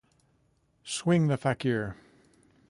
Swing the Fakir.